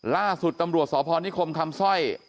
ล่าสุดตำรวจสพนิคมคำสร้อย